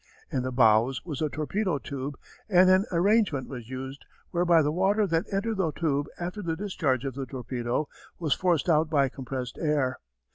In the bows was a torpedo tube, and an arrangement was used whereby the water that entered the tube after the discharge of the torpedo was forced out by compressed air.